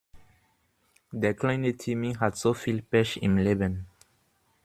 Der kleine Timmy hat so viel Pech im Leben!